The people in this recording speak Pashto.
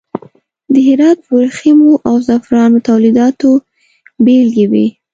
د هرات د وریښمو او زغفرانو تولیداتو بیلګې وې.